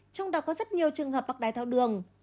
trong đó có rất nhiều trường hợp mắc đai tháo đường